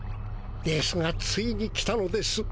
ですがついに来たのです。